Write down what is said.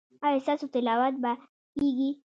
ایا ستاسو تلاوت به کیږي؟